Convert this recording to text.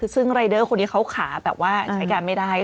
ซึ่งรายเดอร์คนนี้เขาขาแบบว่าใช้การไม่ได้